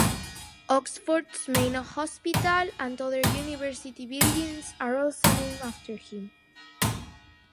Oxford's main hospital and other University buildings are also named after him.